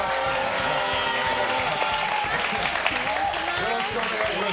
よろしくお願いします。